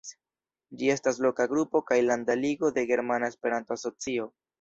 Ĝi estas loka grupo kaj landa ligo de Germana Esperanto-Asocio.